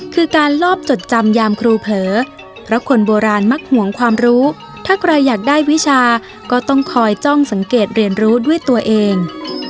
คือการลอบจดจำยามครูเผลอเพราะคนโบราณมักห่วงความรู้ถ้าใครอยากได้วิชาก็ต้องคอยจ้องสังเกตเรียนรู้ด้วยตัวเอง